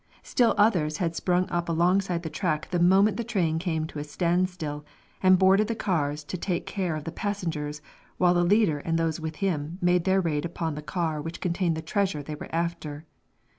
Still others had sprung up alongside the track the moment the train came to a standstill, and boarded the cars to take care of the passengers while the leader and those with him made their raid upon the car which contained the treasure they were after.